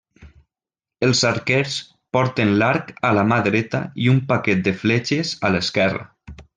Els arquers porten l'arc a la mà dreta i un paquet de fletxes a l'esquerra.